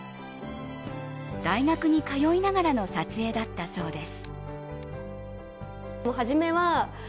大学に通いながらの撮影だったそうです。